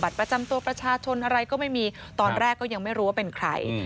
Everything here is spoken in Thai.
ประจำตัวประชาชนอะไรก็ไม่มีตอนแรกก็ยังไม่รู้ว่าเป็นใคร